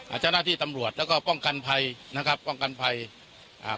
เจ้าหน้าที่ตำรวจแล้วก็ป้องกันภัยนะครับป้องกันภัยอ่า